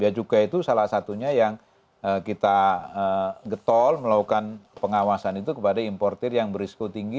biaya cukai itu salah satunya yang kita getol melakukan pengawasan itu kepada importer yang berisiko tinggi